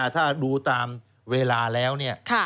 ถ้าดูตามเวลาแล้วเนี่ย